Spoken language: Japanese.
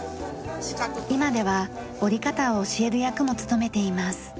今では折り方を教える役も務めています。